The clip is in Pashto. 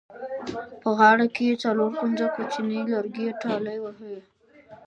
په غاړه کې یې څلور کونجه کوچیني لرګي ټالۍ وهلې.